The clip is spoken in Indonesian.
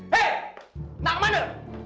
hei nak kemana